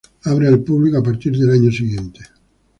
Abre al público a partir del año siguiente.